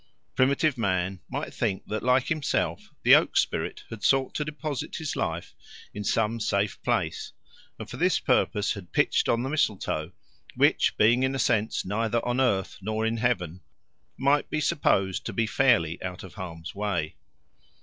Primitive man might think that, like himself, the oak spirit had sought to deposit his life in some safe place, and for this purpose had pitched on the mistletoe, which, being in a sense neither on earth nor in heaven, might be supposed to be fairly out of harm's way.